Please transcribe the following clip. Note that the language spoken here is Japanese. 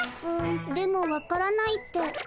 うんでも分からないって。